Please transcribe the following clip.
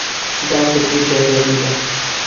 دا فکري ګډوډي ده.